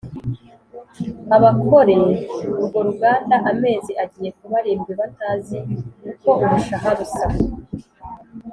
abakore urwo ruganda amezi agiye kuba arindwi batazi uko umushahara usa